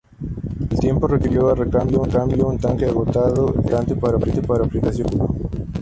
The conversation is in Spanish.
El tiempo requirió a recambio un tanque agotado es importante para aplicaciones de vehículo.